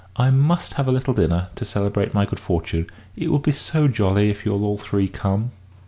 I must have a little dinner, to celebrate my good fortune it will be so jolly if you'll all three come."